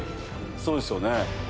そうですよね。